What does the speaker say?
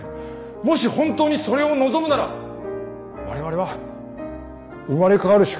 もし本当にそれを望むなら我々は生まれ変わるしかない。